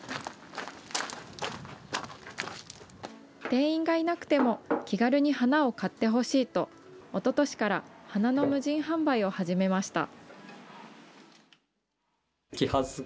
店員がいなくても、気軽に花を買ってほしいと、おととしから花の無人販売を始めました。